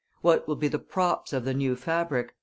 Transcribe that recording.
What will be the props of the new fabric?